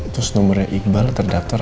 terus nomornya iqbal terdaftar